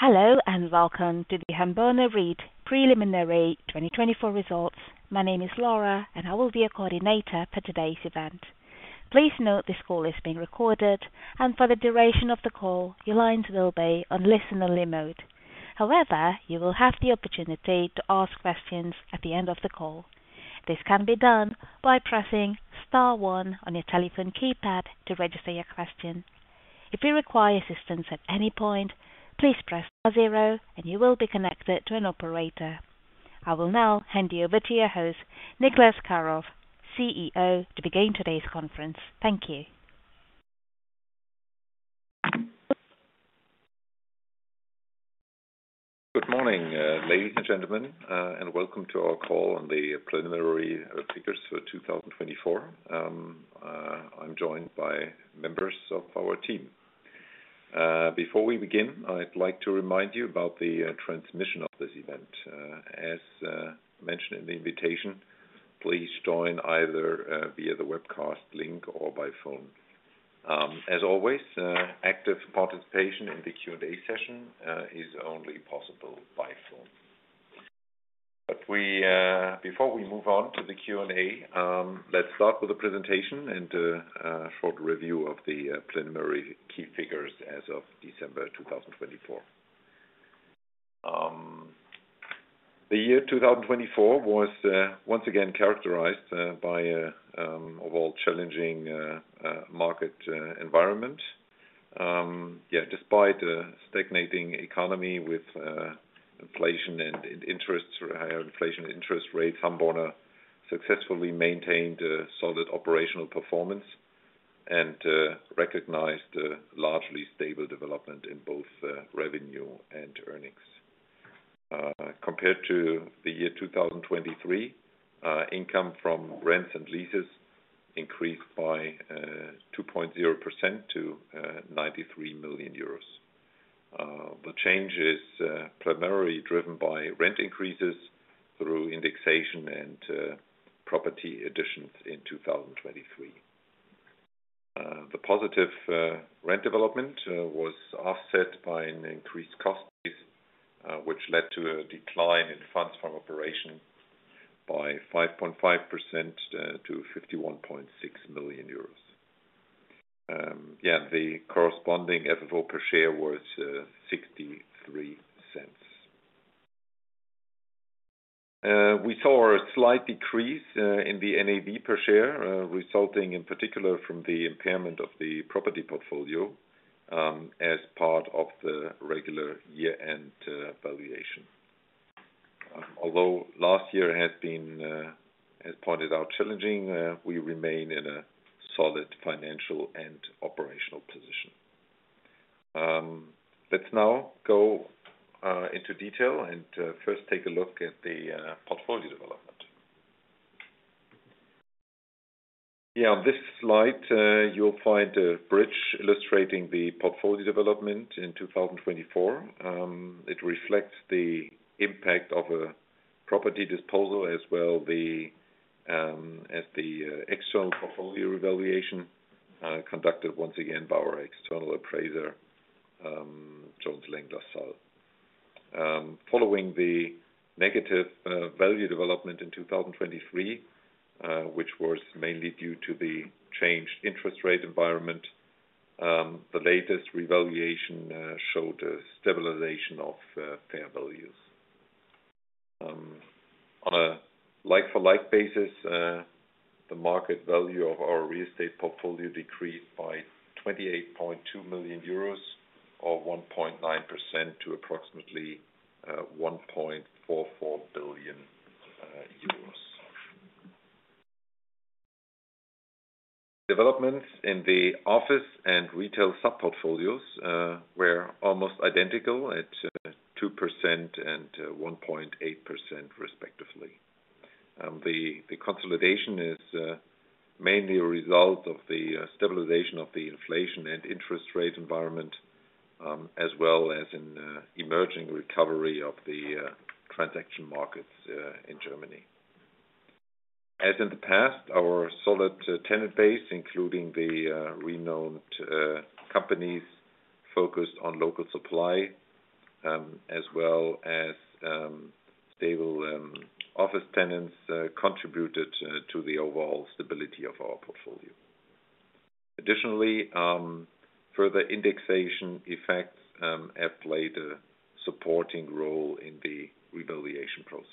Hello and welcome to the Hamborner REIT Preliminary 2024 results. My name is Laura, and I will be your coordinator for today's event. Please note this call is being recorded, and for the duration of the call, your lines will be on listen-only mode. However, you will have the opportunity to ask questions at the end of the call. This can be done by pressing star one on your telephone keypad to register your question. If you require assistance at any point, please press star zero, and you will be connected to an operator. I will now hand you over to your host, Niclas Karoff, CEO, to begin today's conference. Thank you. Good morning, ladies and gentlemen, and welcome to our call on the preliminary figures for 2024. I'm joined by members of our team. Before we begin, I'd like to remind you about the transmission of this event. As mentioned in the invitation, please join either via the webcast link or by phone. As always, active participation in the Q&A session is only possible by phone. But before we move on to the Q&A, let's start with a presentation and a short review of the preliminary key figures as of December 2024. The year 2024 was once again characterized by, above all, a challenging market environment. Despite a stagnating economy with inflation and interest rates, Hamborner successfully maintained solid operational performance and recognized a largely stable development in both revenue and earnings. Compared to the year 2023, income from rents and leases increased by 2.0% to 93 million euros. The change is primarily driven by rent increases through indexation and property additions in 2023. The positive rent development was offset by an increased cost base, which led to a decline in Funds from Operations by 5.5% to 51.6 million euros. The corresponding FFO per share was 0.63. We saw a slight decrease in the NAV per share, resulting in particular from the impairment of the property portfolio as part of the regular year-end valuation. Although last year has been, as pointed out, challenging, we remain in a solid financial and operational position. Let's now go into detail and first take a look at the portfolio development. On this slide, you'll find a bridge illustrating the portfolio development in 2024. It reflects the impact of a property disposal as well as the external portfolio evaluation conducted once again by our external appraiser, Jones Lang LaSalle. Following the negative value development in 2023, which was mainly due to the changed interest rate environment, the latest revaluation showed a stabilization of fair values. On a like-for-like basis, the market value of our real estate portfolio decreased by 28.2 million euros, or 1.9%, to approximately 1.44 billion euros. Developments in the office and retail sub-portfolios were almost identical at 2% and 1.8%, respectively. The consolidation is mainly a result of the stabilization of the inflation and interest rate environment, as well as an emerging recovery of the transaction markets in Germany. As in the past, our solid tenant base, including the renowned companies focused on local supply, as well as stable office tenants, contributed to the overall stability of our portfolio. Additionally, further indexation effects have played a supporting role in the revaluation process.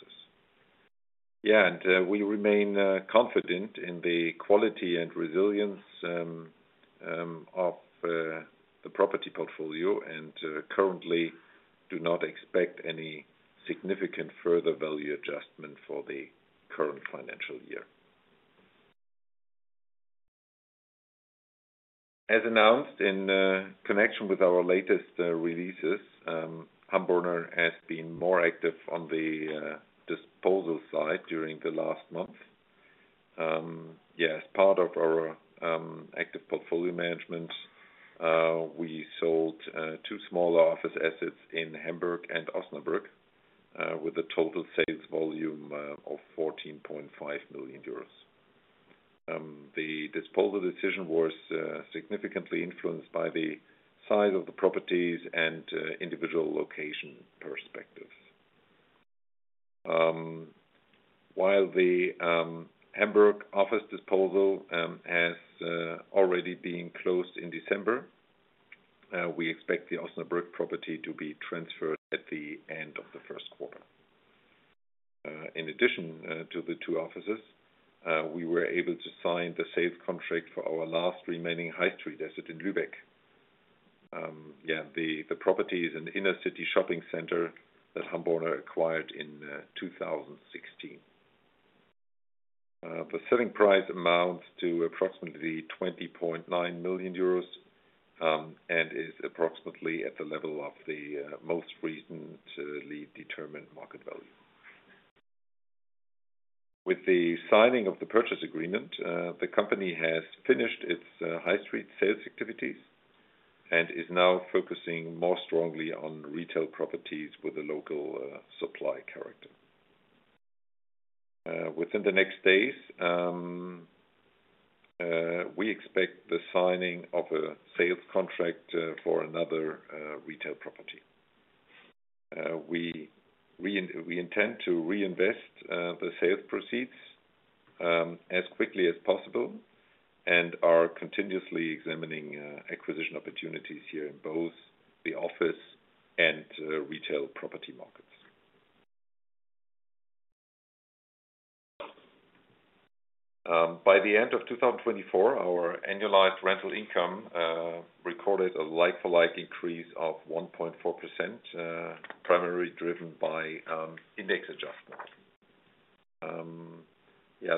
We remain confident in the quality and resilience of the property portfolio and currently do not expect any significant further value adjustment for the current financial year. As announced in connection with our latest releases, Hamborner has been more active on the disposal side during the last month. As part of our active portfolio management, we sold two smaller office assets in Hamburg and Osnabrück, with a total sales volume of 14.5 million euros. The disposal decision was significantly influenced by the size of the properties and individual location perspectives. While the Hamburg office disposal has already been closed in December, we expect the Osnabrück property to be transferred at the end of the first quarter. In addition to the two offices, we were able to sign the sales contract for our last remaining high street asset in Lübeck. The property is an inner-city shopping center that Hamborner acquired in 2016. The selling price amounts to approximately 20.9 million euros and is approximately at the level of the most recently determined market value. With the signing of the purchase agreement, the company has finished its high street sales activities and is now focusing more strongly on retail properties with a local supply character. Within the next days, we expect the signing of a sales contract for another retail property. We intend to reinvest the sales proceeds as quickly as possible and are continuously examining acquisition opportunities here in both the office and retail property markets. By the end of 2024, our annualized rental income recorded a like-for-like increase of 1.4%, primarily driven by index adjustment.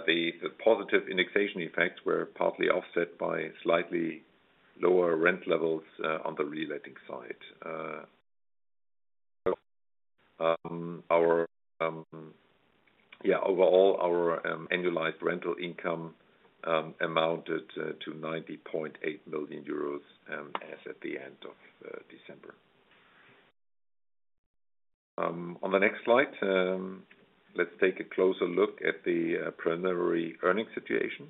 The positive indexation effects were partly offset by slightly lower rent levels on the re-letting side. Overall, our annualized rental income amounted to 90.8 million euros as at the end of December. On the next slide, let's take a closer look at the preliminary earnings situation.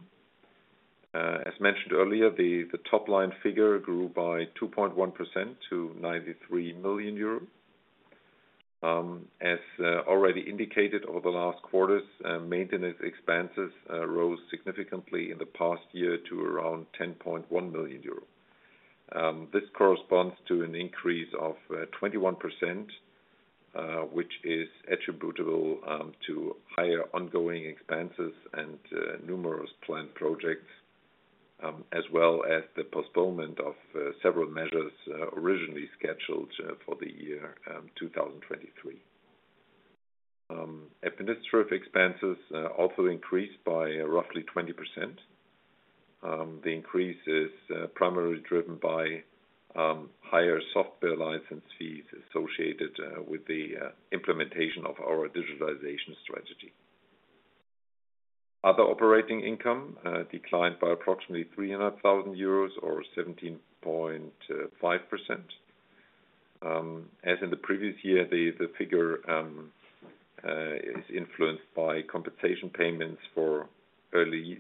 As mentioned earlier, the top-line figure grew by 2.1% to 93 million euros. As already indicated over the last quarters, maintenance expenses rose significantly in the past year to around 10.1 million euro. This corresponds to an increase of 21%, which is attributable to higher ongoing expenses and numerous planned projects, as well as the postponement of several measures originally scheduled for the year 2023. Administrative expenses also increased by roughly 20%. The increase is primarily driven by higher software license fees associated with the implementation of our digitalization strategy. Other operating income declined by approximately 300,000 euros, or 17.5%. As in the previous year, the figure is influenced by compensation payments for early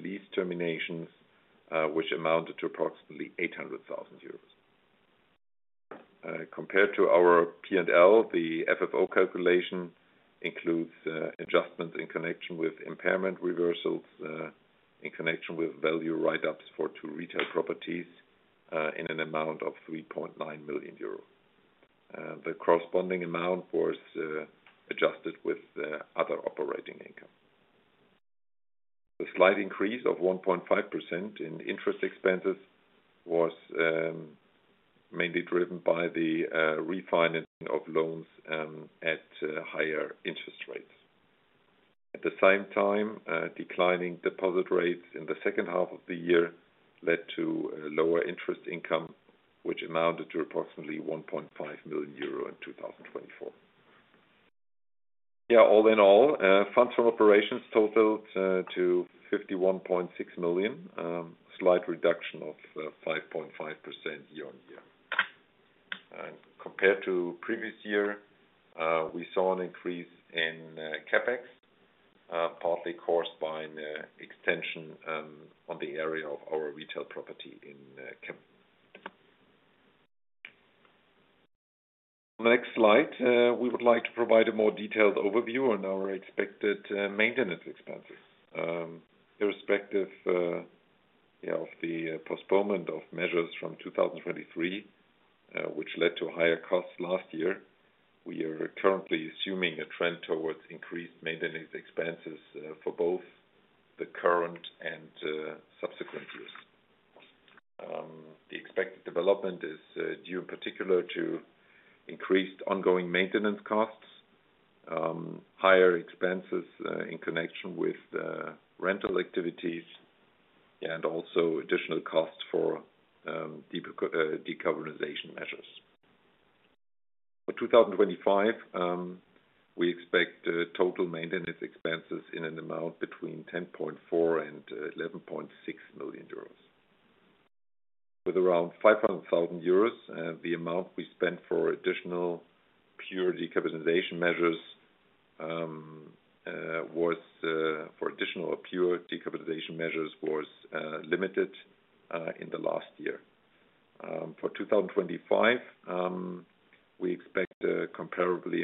lease terminations, which amounted to approximately 800,000 euros. Compared to our P&L, the FFO calculation includes adjustments in connection with impairment reversals in connection with value write-ups for two retail properties in an amount of 3.9 million euro. The corresponding amount was adjusted with other operating income. The slight increase of 1.5% in interest expenses was mainly driven by the refinancing of loans at higher interest rates. At the same time, declining deposit rates in the second half of the year led to lower interest income, which amounted to approximately 1.5 million euro in 2024. All in all, Funds from operations totaled to 51.6 million, a slight reduction of 5.5% year on year. Compared to the previous year, we saw an increase in CapEx, partly caused by an extension on the area of our retail property in Coburg. On the next slide, we would like to provide a more detailed overview on our expected maintenance expenses. Irrespective of the postponement of measures from 2023, which led to higher costs last year, we are currently assuming a trend towards increased maintenance expenses for both the current and subsequent years. The expected development is due, in particular, to increased ongoing maintenance costs, higher expenses in connection with rental activities, and also additional costs for decarbonization measures. For 2025, we expect total maintenance expenses in an amount between 10.4 million and 11.6 million euros. With around 500,000 euros, the amount we spent for additional pure decarbonization measures was limited in the last year. For 2025, we expect a comparable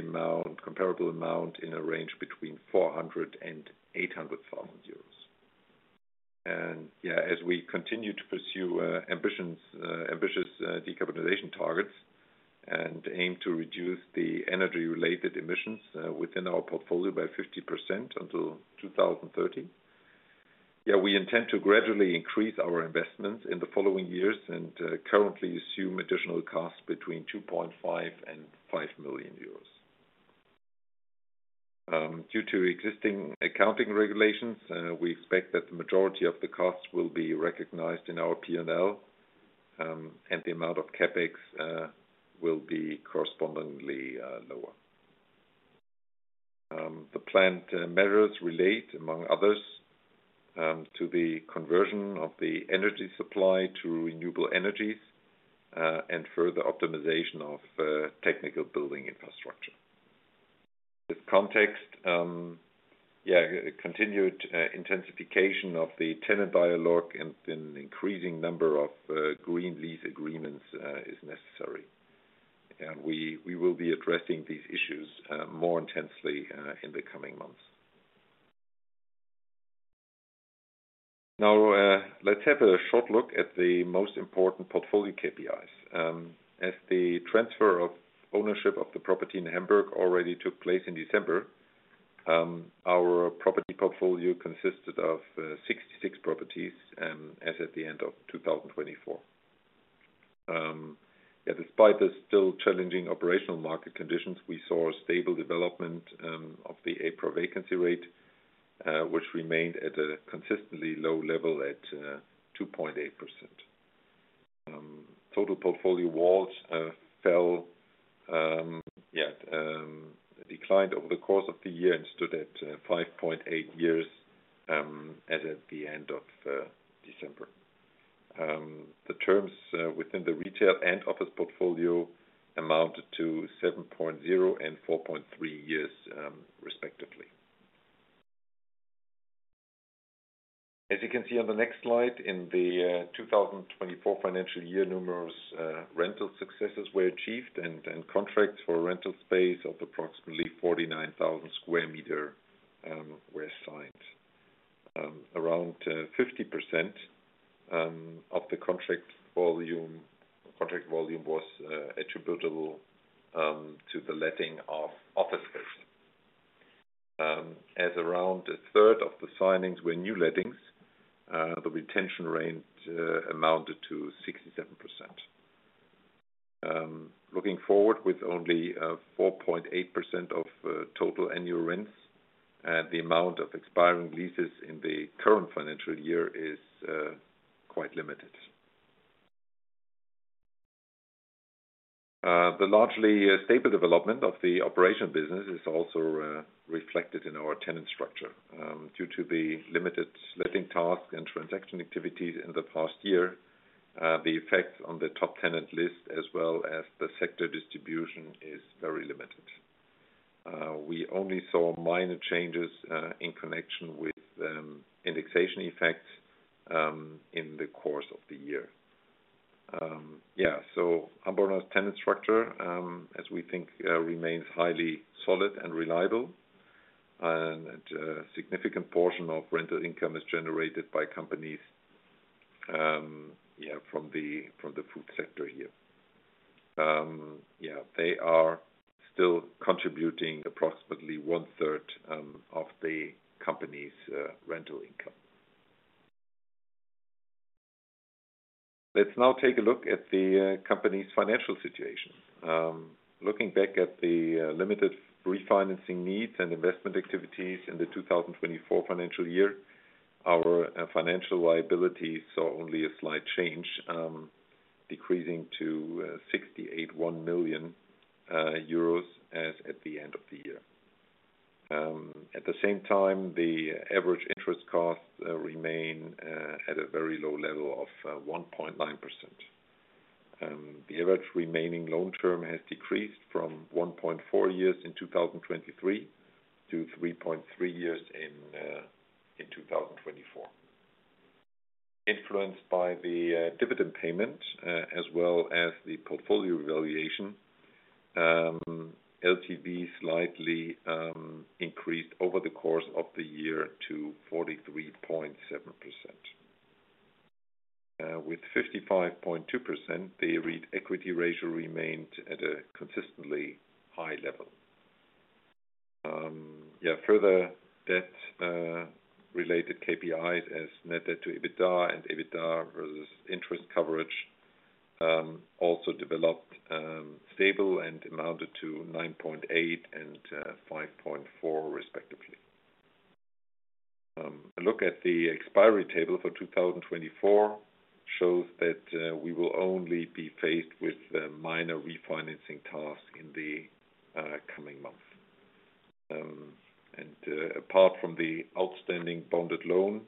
amount in a range between 400,000 and 800,000 euros. As we continue to pursue ambitious decarbonization targets and aim to reduce the energy-related emissions within our portfolio by 50% until 2030, we intend to gradually increase our investments in the following years and currently assume additional costs between 2.5 million and 5 million euros. Due to existing accounting regulations, we expect that the majority of the costs will be recognized in our P&L, and the amount of CapEx will be correspondingly lower. The planned measures relate, among others, to the conversion of the energy supply to renewable energies and further optimization of technical building infrastructure. In this context, continued intensification of the tenant dialogue and an increasing number of green lease agreements is necessary. We will be addressing these issues more intensely in the coming months. Now, let's have a short look at the most important portfolio KPIs. As the transfer of ownership of the property in Hamburg already took place in December, our property portfolio consisted of 66 properties as at the end of 2024. Despite the still challenging operational market conditions, we saw stable development of the EPRA vacancy rate, which remained at a consistently low level at 2.8%. Total portfolio WALT declined over the course of the year and stood at 5.8 years as at the end of December. The terms within the retail and office portfolio amounted to 7.0 and 4.3 years, respectively. As you can see on the next slide, in the 2024 financial year, numerous rental successes were achieved, and contracts for rental space of approximately 49,000 sq m were signed. Around 50% of the contract volume was attributable to the letting of office space. As around a third of the signings were new lettings, the retention rate amounted to 67%. Looking forward, with only 4.8% of total annual rents, the amount of expiring leases in the current financial year is quite limited. The largely stable development of the operation business is also reflected in our tenant structure. Due to the limited letting tasks and transaction activities in the past year, the effects on the top tenant list, as well as the sector distribution, are very limited. We only saw minor changes in connection with indexation effects in the course of the year. Hamborner's tenant structure, as we think, remains highly solid and reliable, and a significant portion of rental income is generated by companies from the food sector here. They are still contributing approximately one-third of the company's rental income. Let's now take a look at the company's financial situation. Looking back at the limited refinancing needs and investment activities in the 2024 financial year, our financial liabilities saw only a slight change, decreasing to 68.1 million euros as at the end of the year. At the same time, the average interest costs remain at a very low level of 1.9%. The average remaining loan term has decreased from 1.4 years in 2023 to 3.3 years in 2024. Influenced by the dividend payment, as well as the portfolio evaluation, LTV slightly increased over the course of the year to 43.7%. With 55.2%, the REIT equity ratio remained at a consistently high level. Further debt-related KPIs as net debt to EBITDA and EBITDA versus interest coverage also developed stable and amounted to 9.8 and 5.4, respectively. A look at the expiry table for 2024 shows that we will only be faced with minor refinancing tasks in the coming months. Apart from the outstanding bonded loan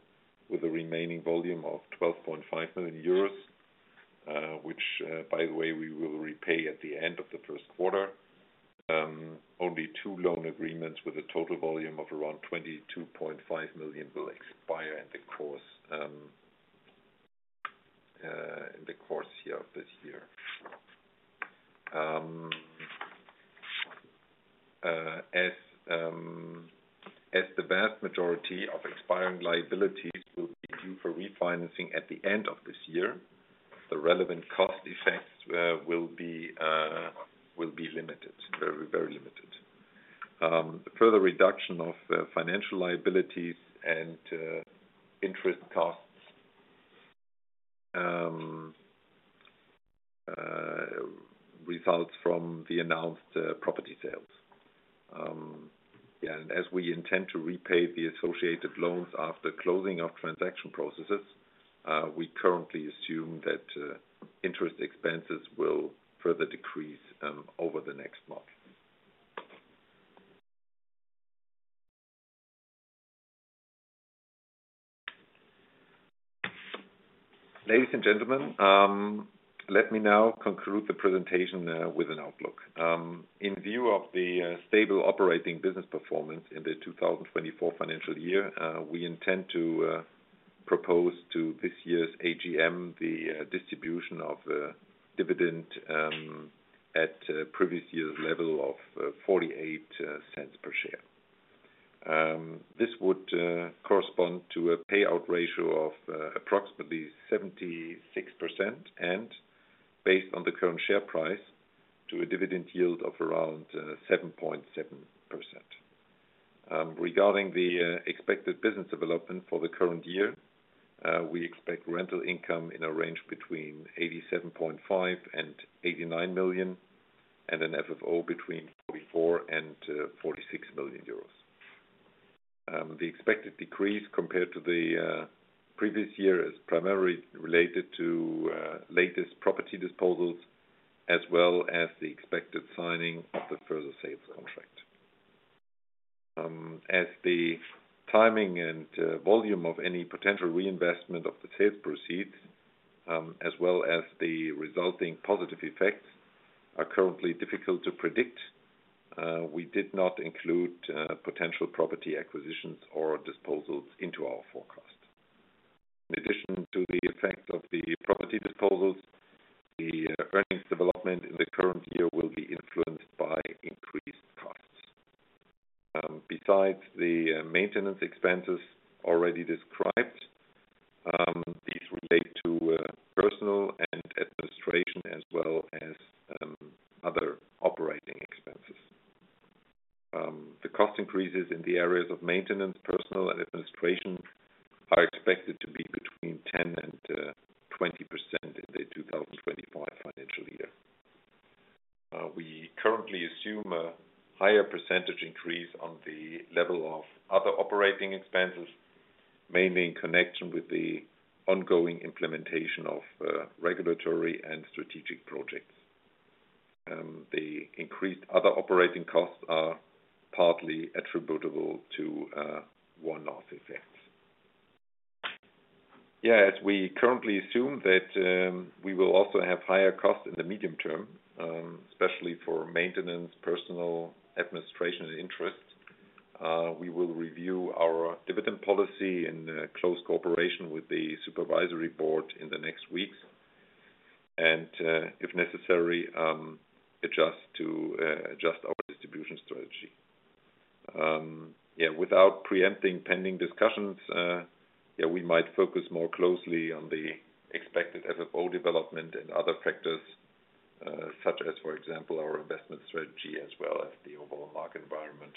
with a remaining volume of 12.5 million euros, which, by the way, we will repay at the end of the first quarter, only two loan agreements with a total volume of around 22.5 million will expire in the course of this year. As the vast majority of expiring liabilities will be due for refinancing at the end of this year, the relevant cost effects will be limited, very limited. Further reduction of financial liabilities and interest costs results from the announced property sales. As we intend to repay the associated loans after closing of transaction processes, we currently assume that interest expenses will further decrease over the next month. Ladies and gentlemen, let me now conclude the presentation with an outlook. In view of the stable operating business performance in the 2024 financial year, we intend to propose to this year's AGM the distribution of dividend at previous year's level of 0.48 per share. This would correspond to a payout ratio of approximately 76% and, based on the current share price, to a dividend yield of around 7.7%. Regarding the expected business development for the current year, we expect rental income in a range between 87.5 million and 89 million, and an FFO between 44 million and 46 million euros. The expected decrease compared to the previous year is primarily related to latest property disposals, as well as the expected signing of the further sales contract. As the timing and volume of any potential reinvestment of the sales proceeds, as well as the resulting positive effects, are currently difficult to predict, we did not include potential property acquisitions or disposals into our forecast. In addition to the effects of the property disposals, the earnings development in the current year will be influenced by increased costs. Besides the maintenance expenses already described, these relate to personnel and administration, as well as other operating expenses. The cost increases in the areas of maintenance, personnel, and administration are expected to be between 10% and 20% in the 2025 financial year. We currently assume a higher percentage increase on the level of other operating expenses, mainly in connection with the ongoing implementation of regulatory and strategic projects. The increased other operating costs are partly attributable to one-off effects. As we currently assume that we will also have higher costs in the medium term, especially for maintenance, personnel, administration, and interest, we will review our dividend policy in close cooperation with the supervisory board in the next weeks, and if necessary, adjust our distribution strategy. Without preempting pending discussions, we might focus more closely on the expected FFO development and other factors, such as, for example, our investment strategy, as well as the overall market environment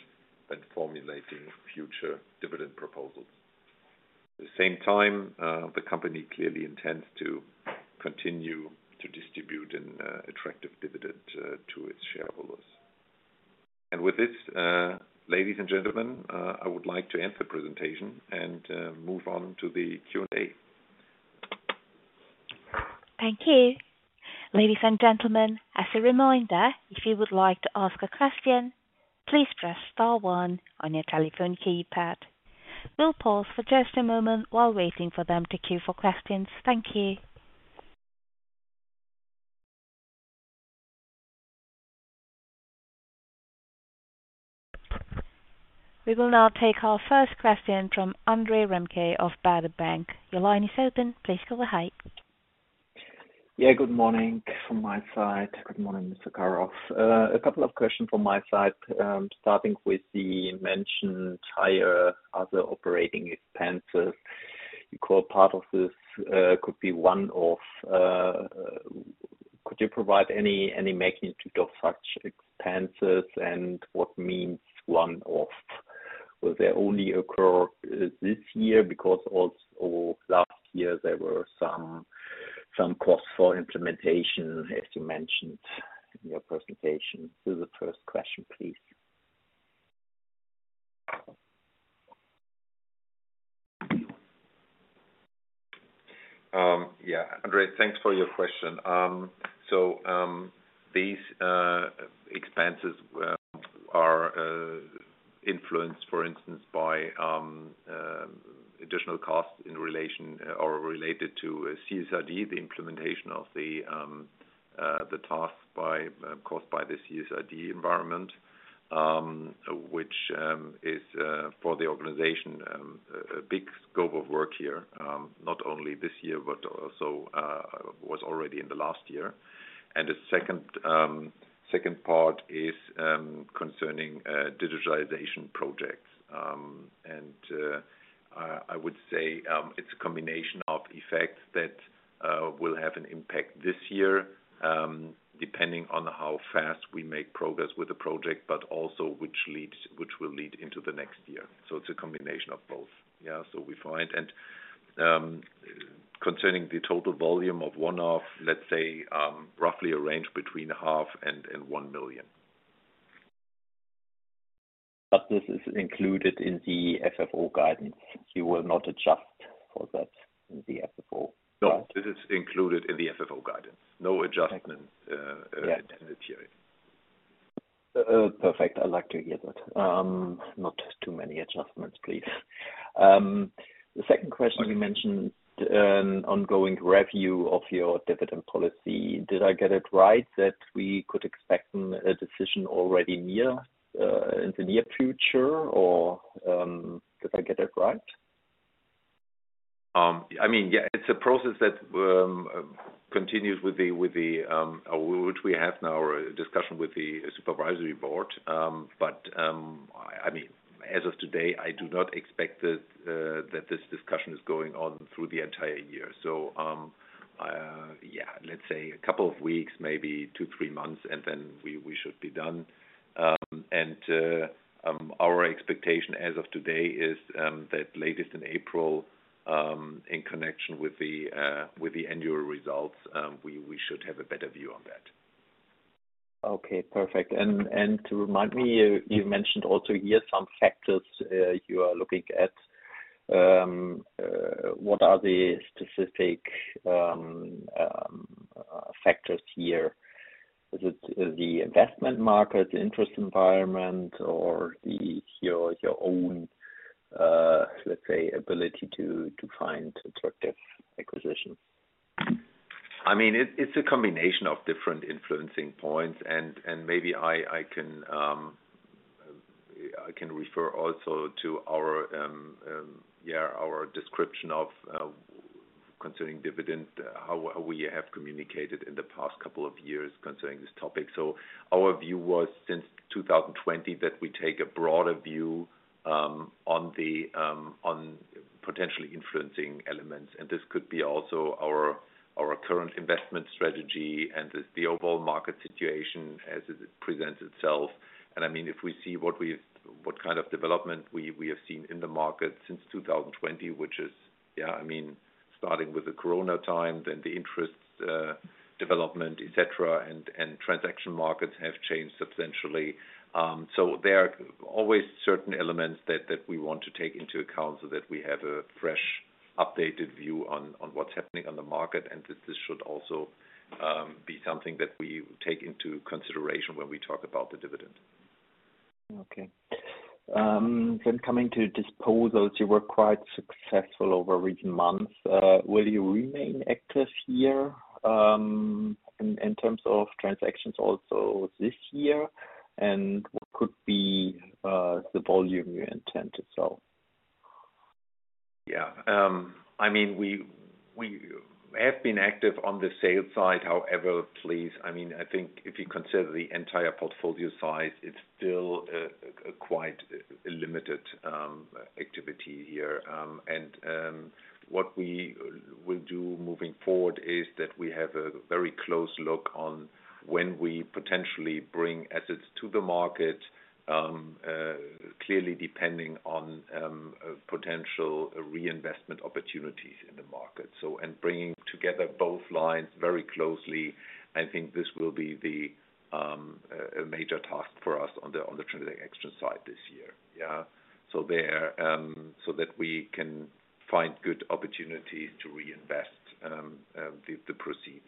when formulating future dividend proposals. At the same time, the company clearly intends to continue to distribute an attractive dividend to its shareholders. And with this, ladies and gentlemen, I would like to end the presentation and move on to the Q&A. Thank you. Ladies and gentlemen, as a reminder, if you would like to ask a question, please press star one on your telephone keypad. We'll pause for just a moment while waiting for them to queue for questions. Thank you. We will now take our first question from André Remke of Baader Bank. Your line is open. Please go ahead. Good morning from my side. Good morning, Mr. Karoff. A couple of questions from my side, starting with the mentioned higher other operating expenses. You called part of this could be one-off. Could you provide any magnitude of such expenses, and what means one-off? Will there only occur this year? Because last year, there were some costs for implementation, as you mentioned in your presentation. This is the first question, please. Andre, thanks for your question. These expenses are influenced, for instance, by additional costs related to CSRD, the implementation of the task caused by the CSRD environment, which is, for the organization, a big scope of work here, not only this year but also was already in the last year. And the second part is concerning digitalization projects. And I would say it's a combination of effects that will have an impact this year, depending on how fast we make progress with the project, but also which will lead into the next year. So it's a combination of both. We find, concerning the total volume of one-off, let's say, roughly a range between EUR 0.5 million and 1 million. But this is included in the FFO guidance. You will not adjust for that in the FFO, right? No, this is included in the FFO guidance. No adjustment in this year. Perfect. I'd like to hear that. Not too many adjustments, please. The second question, you mentioned ongoing review of your dividend policy. Did I get it right that we could expect a decision already in the near future, or did I get it right? It's a process that continues with which we have now a discussion with the supervisory board. But as of today, I do not expect that this discussion is going on through the entire year. So let's say a couple of weeks, maybe two, three months, and then we should be done. And our expectation as of today is that latest in April, in connection with the annual results, we should have a better view on that. Okay. Perfect. And to remind me, you mentioned also here some factors you are looking at. What are the specific factors here? Is it the investment market, the interest environment, or your own, let's say, ability to find attractive acquisitions? It's a combination of different influencing points. And maybe I can refer also to our description concerning dividend, how we have communicated in the past couple of years concerning this topic. So our view was since 2020 that we take a broader view on potentially influencing elements. And this could be also our current investment strategy and the overall market situation as it presents itself. And if we see what kind of development we have seen in the market since 2020, which is starting with the corona time, then the interest development, etc., and transaction markets have changed substantially. So there are always certain elements that we want to take into account so that we have a fresh, updated view on what's happening on the market. This should also be something that we take into consideration when we talk about the dividend. Okay. Coming to disposals, you were quite successful over recent months. Will you remain active here in terms of transactions also this year? And what could be the volume you intend to sell? We have been active on the sales side. However, please, I think if you consider the entire portfolio size, it's still quite a limited activity here. And what we will do moving forward is that we have a very close look on when we potentially bring assets to the market, clearly depending on potential reinvestment opportunities in the market. And bringing together both lines very closely, I think this will be the major task for us on the transaction side this year, so that we can find good opportunities to reinvest the proceeds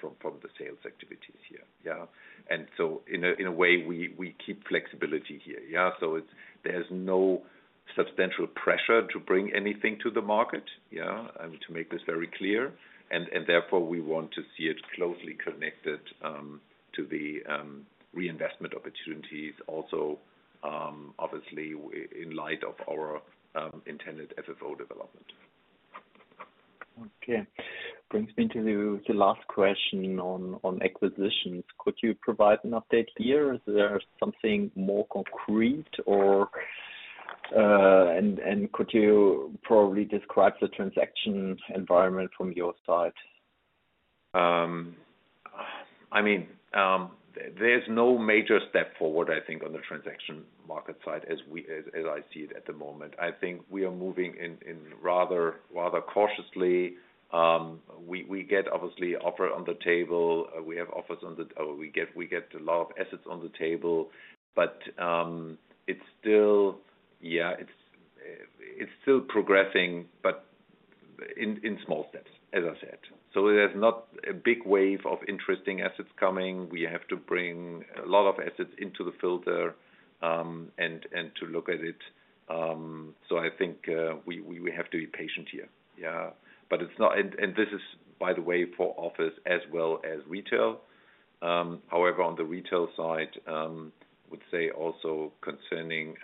from the sales activities here. And so in a way, we keep flexibility here. So there's no substantial pressure to bring anything to the market, to make this very clear. And therefore, we want to see it closely connected to the reinvestment opportunities, also obviously in light of our intended FFO development. Okay. Brings me to the last question on acquisitions. Could you provide an update here? Is there something more concrete? And could you probably describe the transaction environment from your side? There's no major step forward, I think, on the transaction market side as I see it at the moment. I think we are moving in rather cautiously. We get obviously offers on the table. We have offers on the table, we get a lot of assets on the table, but it's still progressing, but in small steps, as I said. So there's not a big wave of interesting assets coming. We have to bring a lot of assets into the filter and to look at it. So I think we have to be patient here, and this is, by the way, for office as well as retail. However, on the retail side, I would say also concerning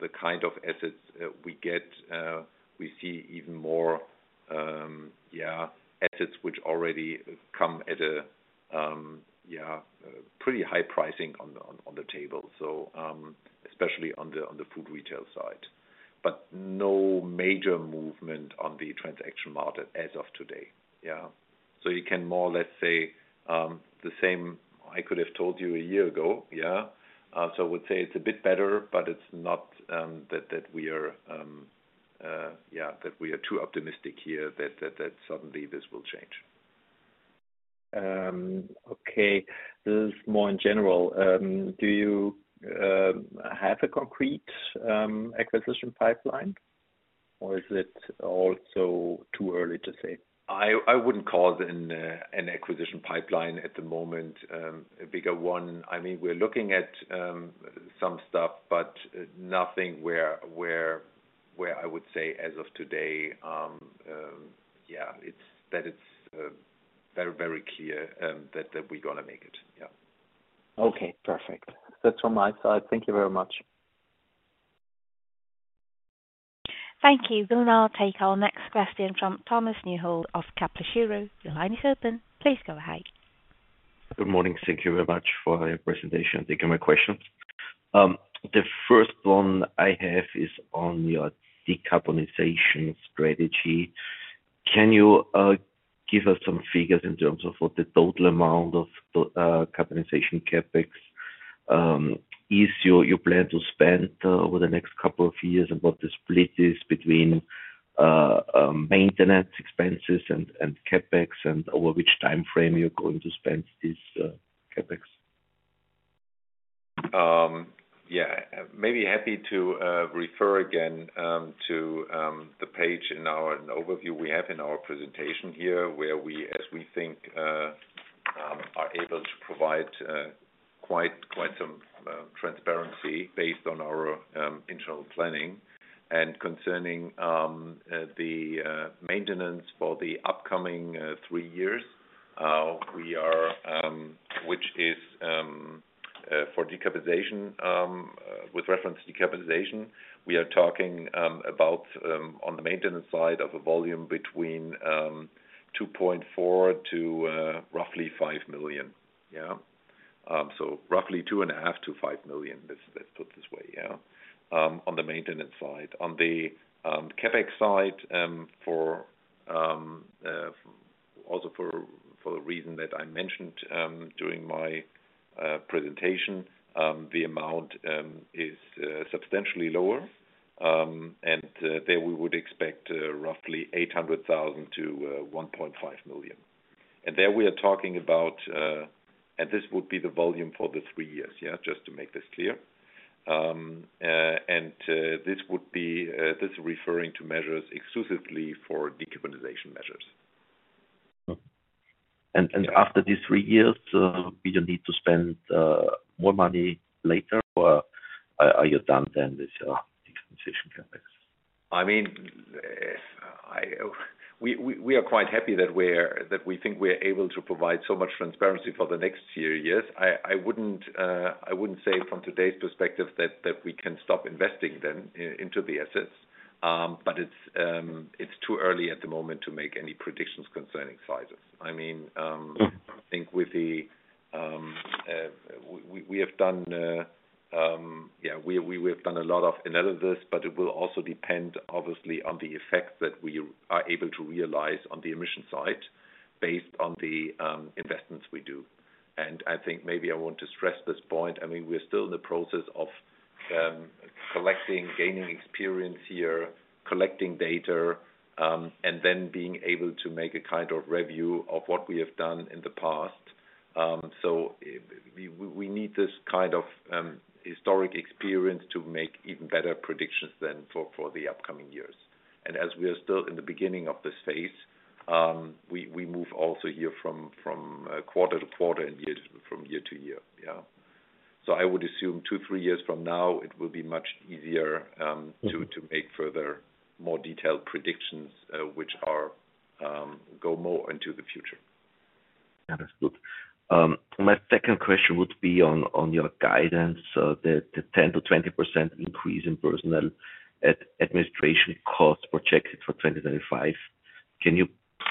the kind of assets we get, we see even more assets which already come at a pretty high pricing on the table, especially on the food retail side, but no major movement on the transaction market as of today, so you can more, let's say, the same I could have told you a year ago, so I would say it's a bit better, but it's not that we are too optimistic here that suddenly this will change. Okay, this is more in general. Do you have a concrete acquisition pipeline, or is it also too early to say? I wouldn't call it an acquisition pipeline at the moment. A bigger one, we're looking at some stuff, but nothing where I would say as of today that it's very, very clear that we're going to make it. Okay. Perfect. That's from my side. Thank you very much. Thank you. We'll now take our next question from Thomas Neuhold of Kepler Cheuvreux. Your line is open. Please go ahead. Good morning. Thank you very much for your presentation. Thank you for my question. The first one I have is on your decarbonization strategy. Can you give us some figures in terms of what the total amount of decarbonization CapEx is your plan to spend over the next couple of years and what the split is between maintenance expenses and CapEx and over which time frame you're going to spend this CapEx? Maybe happy to refer again to the page in our overview we have in our presentation here where we, as we think, are able to provide quite some transparency based on our internal planning. And concerning the maintenance for the upcoming three years, which is for decarbonization with reference to decarbonization, we are talking about on the maintenance side of a volume between 2.4 million to roughly 5 million. So roughly 2.5 million-5 million, let's put it this way, on the maintenance side. On the CapEx side, also for the reason that I mentioned during my presentation, the amount is substantially lower. And there we would expect roughly 800,000-1.5 million. And there we are talking about, and this would be the volume for the three years, just to make this clear. And this would be referring to measures exclusively for decarbonization measures. And after these three years, you don't need to spend more money later? Or are you done then with your decarbonization CapEx? We are quite happy that we think we're able to provide so much transparency for the next few years. I wouldn't say from today's perspective that we can stop investing then into the assets. But it's too early at the moment to make any predictions concerning sizes. I think we have done a lot of analysis, but it will also depend, obviously, on the effects that we are able to realize on the emission side based on the investments we do. And I think maybe I want to stress this point. We're still in the process of gaining experience here, collecting data, and then being able to make a kind of review of what we have done in the past. We need this kind of historical experience to make even better predictions than for the upcoming years. And as we are still in the beginning of this phase, we move also here from quarter to quarter and from year to year. I would assume two, three years from now, it will be much easier to make further more detailed predictions which go more into the future. That's good. My second question would be on your guidance, the 10%-20% increase in personnel administration costs projected for 2025. Can you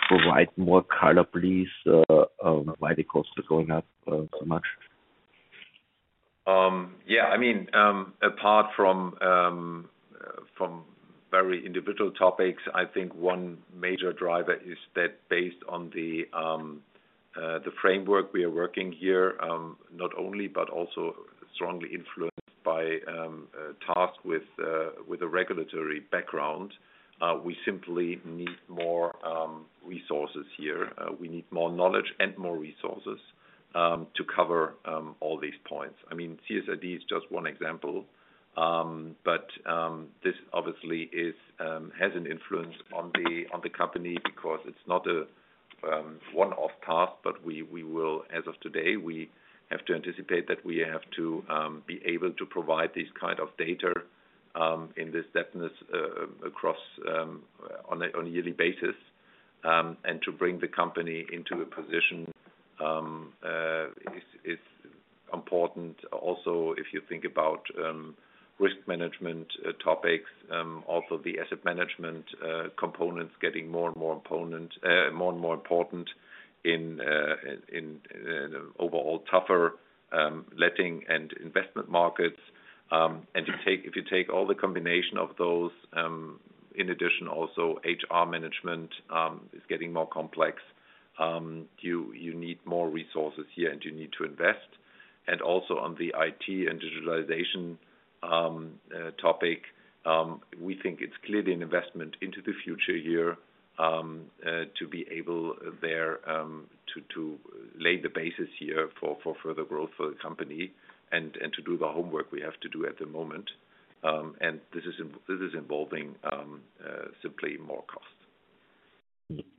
provide more color, please, why the costs are going up so much? Apart from very individual topics, I think one major driver is that based on the framework we are working here, not only but also strongly influenced by tasks with a regulatory background, we simply need more resources here. We need more knowledge and more resources to cover all these points. CSRD is just one example. But this obviously has an influence on the company because it's not a one-off task. But as of today, we have to anticipate that we have to be able to provide this kind of data in this depth across on a yearly basis. And to bring the company into a position is important. Also, if you think about risk management topics, also the asset management components getting more and more important in overall tougher letting and investment markets. And if you take all the combination of those, in addition, also HR management is getting more complex. You need more resources here, and you need to invest. Also on the IT and digitalization topic, we think it's clearly an investment into the future here to be able there to lay the basis here for further growth for the company and to do the homework we have to do at the moment. This is involving simply more costs.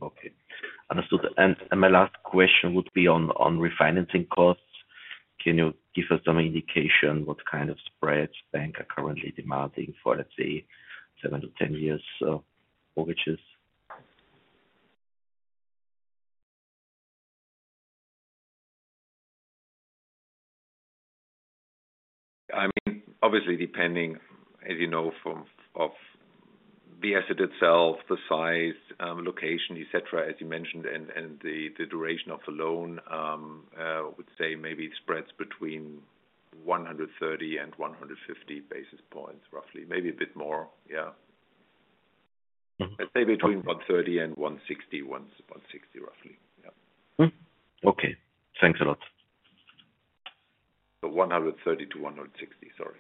Okay. Understood. My last question would be on refinancing costs. Can you give us some indication what kind of spreads banks are currently demanding for, let's say, seven to 10 years' mortgages? Obviously, depending, as you know, of the asset itself, the size, location, etc., as you mentioned, and the duration of the loan. I would say maybe it spreads between 130 and 150 basis points, roughly. Maybe a bit more. Let's say between 130 and 160, roughly. Okay. Thanks a lot. 130 to 160, sorry.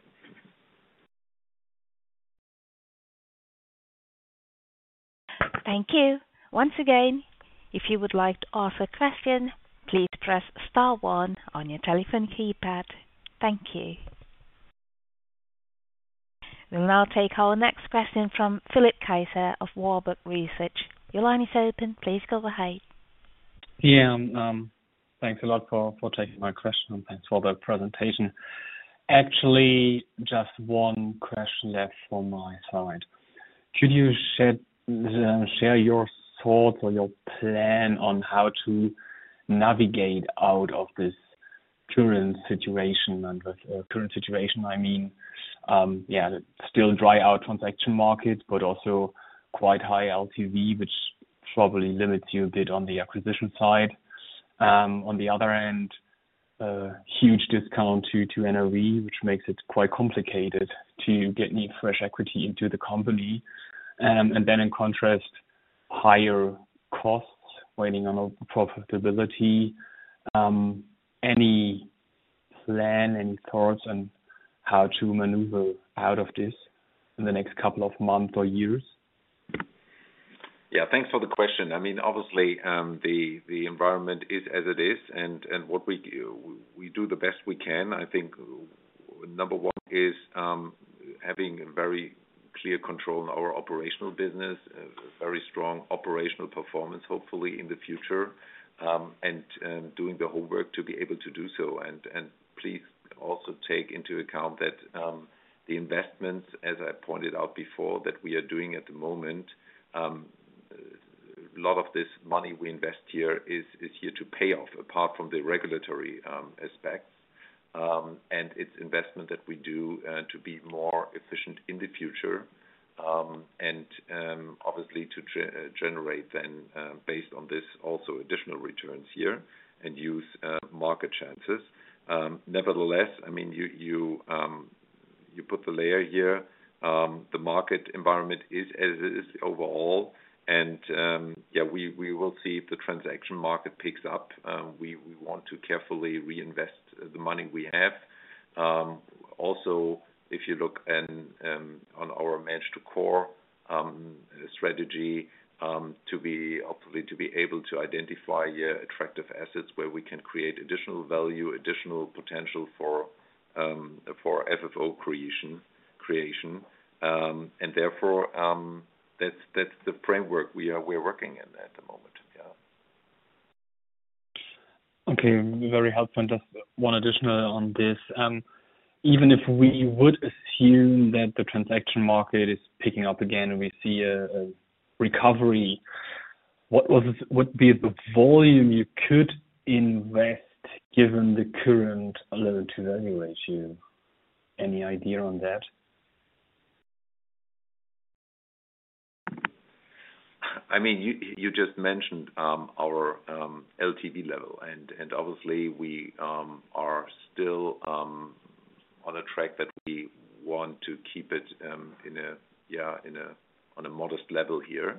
Thank you. Once again, if you would like to ask a question, please press star one on your telephone keypad. Thank you. We'll now take our next question from Philipp Kaiser of Warburg Research. Your line is open. Please go ahead. Yeah. Thanks a lot for taking my question and thanks for the presentation. Actually, just one question left from my side. Could you share your thoughts or your plan on how to navigate out of this current situation? And with current situation, I mean still dried-out transaction market, but also quite high LTV, which probably limits you a bit on the acquisition side. On the other end, huge discount to NAV, which makes it quite complicated to get new fresh equity into the company. And then in contrast, higher costs weighing on profitability. Any plan, any thoughts on how to maneuver out of this in the next couple of months or years? Yeah. Thanks for the question. Obviously, the environment is as it is, and we do the best we can. I think number one is having very clear control in our operational business, very strong operational performance, hopefully in the future, and doing the homework to be able to do so, and please also take into account that the investments, as I pointed out before, that we are doing at the moment, a lot of this money we invest here is here to pay off apart from the regulatory aspects, and it's investment that we do to be more efficient in the future and obviously to generate then based on this also additional returns here and use market chances. Nevertheless, you put the layer here. The market environment is as it is overall, and we will see if the transaction market picks up. We want to carefully reinvest the money we have. Also, if you look on our manage-to-core strategy to be able to identify attractive assets where we can create additional value, additional potential for FFO creation, and therefore, that's the framework we are working in at the moment. Okay. Very helpful. Just one additional on this. Even if we would assume that the transaction market is picking up again and we see a recovery, what would be the volume you could invest given the current loan-to-value ratio? Any idea on that? You just mentioned our LTV level, and obviously, we are still on a track that we want to keep it on a modest level here.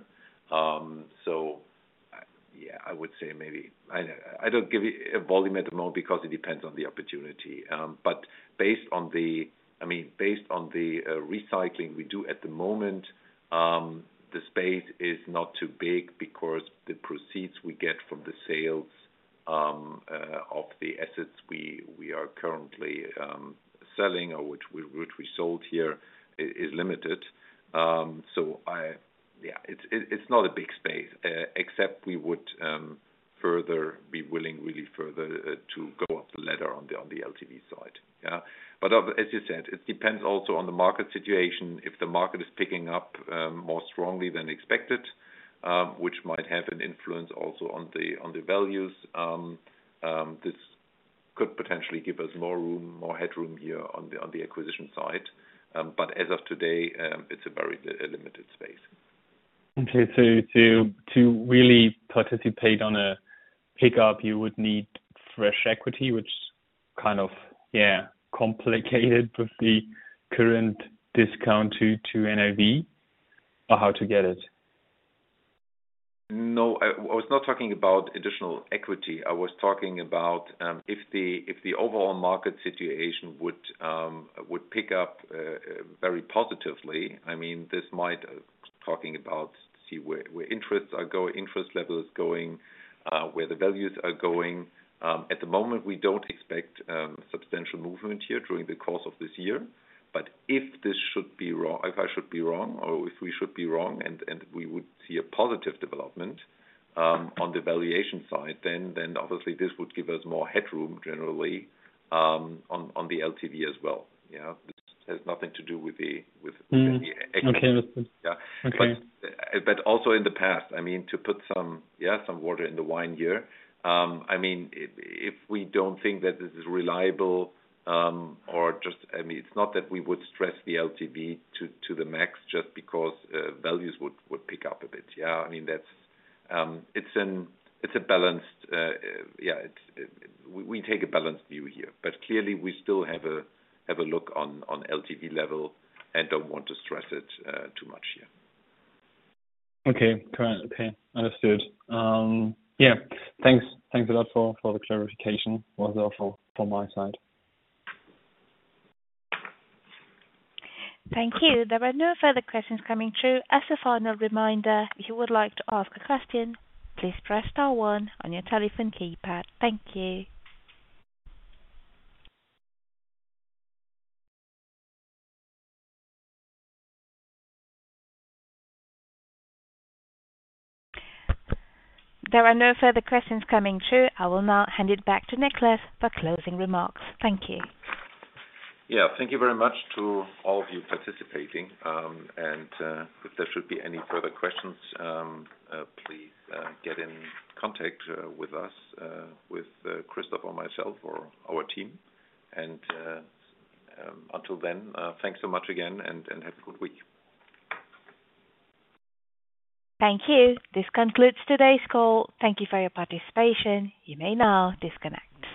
So I would say maybe I don't give you a volume at the moment because it depends on the opportunity. But based on the recycling we do at the moment, the space is not too big because the proceeds we get from the sales of the assets we are currently selling or which we sold here is limited. So it's not a big space, except we would be willing really further to go up the ladder on the LTV side. But as you said, it depends also on the market situation. If the market is picking up more strongly than expected, which might have an influence also on the values, this could potentially give us more headroom here on the acquisition side. But as of today, it's a very limited space. Okay. So to really participate on a pickup, you would need fresh equity, which is kind of complicated with the current discount to NAV? Or how to get it? No. I was not talking about additional equity. I was talking about if the overall market situation would pick up very positively. I'm talking about where interest rates are going, interest levels going, where the values are going. At the moment, we don't expect substantial movement here during the course of this year. But if this should be wrong, if I should be wrong or if we should be wrong and we would see a positive development on the valuation side, then obviously this would give us more headroom generally on the LTV as well. This has nothing to do with the equity. But also in the past, to put some water in the wine here, if we don't think that this is reliable or just it's not that we would stress the LTV to the max just because values would pick up a bit. It's a balanced we take a balanced view here. But clearly, we still have a look on LTV level and don't want to stress it too much here. Okay. Understood. Thanks a lot for the clarification. It was helpful from my side. Thank you. There are no further questions coming through. As a final reminder, if you would like to ask a question, please press star one on your telephone keypad. Thank you. There are no further questions coming through. I will now hand it back to Niclas for closing remarks. Thank you. Yeah. Thank you very much to all of you participating. And if there should be any further questions, please get in contact with us, with Christoph or myself, or our team. And until then, thanks so much again and have a good week. Thank you. This concludes today's call. Thank you for your participation. You may now disconnect.